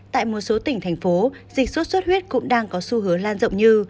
tại một số tỉnh thành phố dịch sốt xuất huyết cũng đang có xu hướng lan rộng như